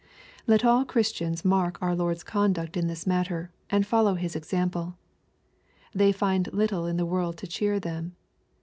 Let all Christians mark our Lord's conduct in this matter, and follow His example. They find little in the world to cheer them.